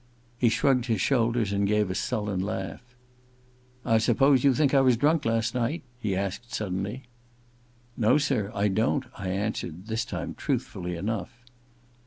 He shrugged his shoulders and gave a sullen laugh. * I suppose you think I was drunk last night ?' he asked suddenly. * No, sir, I don't,' I answered, this time truth fully enough.